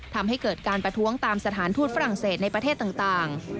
ทำให้เกิดการประท้วงตามสถานทูตฝรั่งเศสในประเทศต่าง